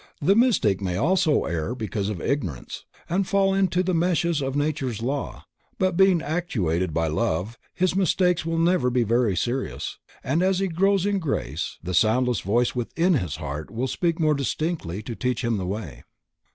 The mystic may also err because of ignorance, and fall into the meshes of nature's law, but being actuated by love, his mistakes will never be very serious, and as he grows in grace the soundless voice within his heart will speak more distinctly to teach him the way.